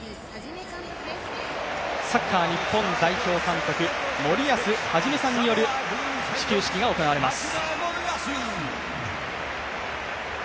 サッカー日本代表監督森保一さんによる始球式が行われます。